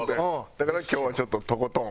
だから今日はちょっととことん。